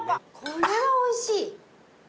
これはおいしい。